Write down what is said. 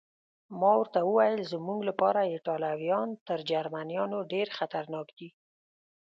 ما ورته وویل: زموږ لپاره ایټالویان تر جرمنیانو ډېر خطرناک دي.